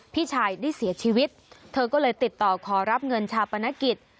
พี่ชายได้เสียชีวิตเธอก็เลยติดต่อขอรับเงินชาปนกิจ